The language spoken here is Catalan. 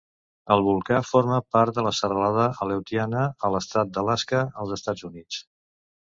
El volcà forma part de la serralada Aleutiana, a l'estat d'Alaska, als Estats Units.